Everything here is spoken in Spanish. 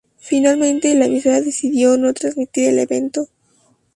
Finalmente, la emisora decidió no transmitir el evento.